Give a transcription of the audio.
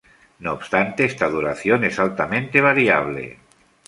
No obstante esta duración es altamente variable.